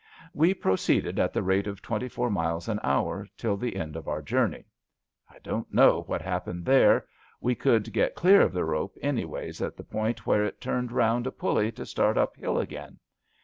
We proceeded at the rate of twenty four miles an hour till the end of our journey. I don't know what happened there. We could get clear of the rope anyways at the point where it turned round a pully to start up hill again.